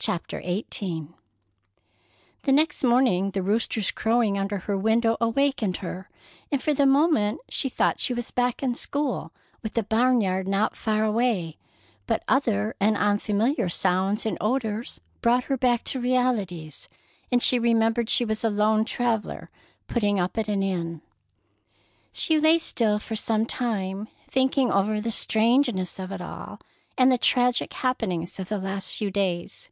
CHAPTER XVIII The next morning the roosters crowing under her window awakened her, and for the moment she thought she was back in school, with the barn yard not far away; but other and unfamiliar sounds and odors brought her back to realities, and she remembered she was a lone traveller putting up at an inn. She lay still for some time, thinking over the strangeness of it all, and the tragic happenings of the last few days.